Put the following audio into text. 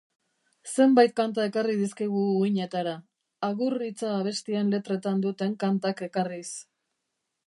Zenbait kanta ekarri dizkigu uhinetara, agur hitza abestien letretan duten kantak ekarriz.